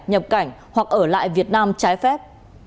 nhập cảnh hoặc ở lại việt nam trái phép